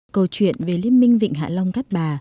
câu chuyện về liên minh vịnh hạ long cát bà